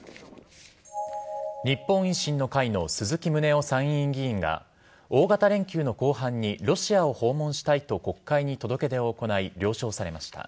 日本維新の会の鈴木宗男参院議員が大型連休の後半にロシアを訪問したいと国会に届け出を行い了承されました。